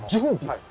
はい。